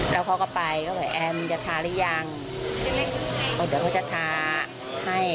แล้วเขาก็ไปก็บอกแอมจะทาหรือยังเดี๋ยวเขาจะทาให้